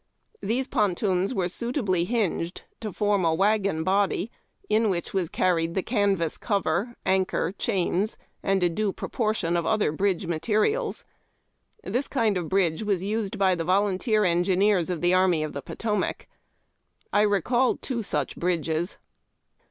These pontons were suitably hinged to form a wagon A CANVAS PONTOON BOAT. FROM A l'H( HOUR APH. body, in which was carried the canvas cover, anchor, chains, and a due proportion of other bridge materials. This kind of bridge was used by tlie volunteer engineers of the Army of the Potomac. I recall two such bridges.